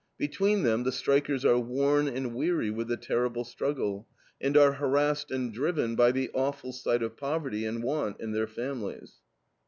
Between them the strikers are worn and weary with the terrible struggle, and are harassed and driven by the awful sight of poverty and want in their families.